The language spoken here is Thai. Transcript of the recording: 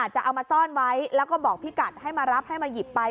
จะเอามาซ่อนไว้แล้วก็บอกพี่กัดให้มารับให้มาหยิบไป